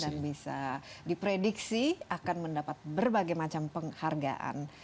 dan bisa diprediksi akan mendapat berbagai macam penghargaan